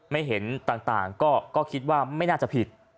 ไม่เห็นต่างก็คิดว่าไม่น่าจะผิด